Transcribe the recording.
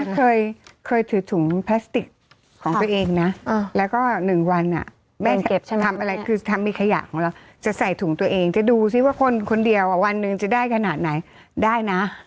เคยถือถุงพลาสติกของตัวเองนะแล้วก็๑วันแม่ทำอะไรคือทำมีขยะของเราจะใส่ถุงตัวเองจะดูซิว่าคนคนเดียววันหนึ่งจะได้ขนาดไหนได้นะ